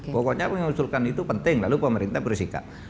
pokoknya mengusulkan itu penting lalu pemerintah bersikap